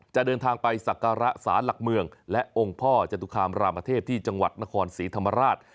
เดินทางไปสักการะสารหลักเมืองและองค์พ่อจตุคามรามเทพที่จังหวัดนครศรีธรรมราช